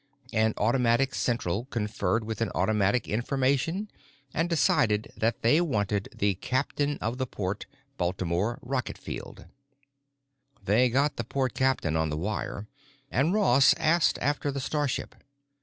An automatic Central conferred with an automatic Information and decided that they wanted the Captain of the Port, Baltimore Rocket Field. They got the Port Captain on the wire and Ross asked after the starship.